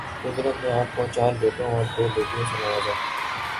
قدرت نے آپ کو چار بیٹوں اور دو بیٹیوں سے نوازا